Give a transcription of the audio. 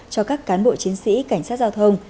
cho các cán bộ chiến sĩ cảnh sát giao thông